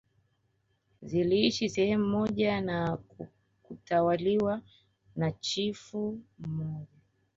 Ziliishi sehemu moja na kutawaliwa na chifu mmoja